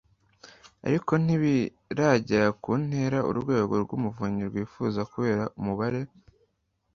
ariko ntibiragera ku ntera urwego rw’ umuvunyi rwifuza kubera umubare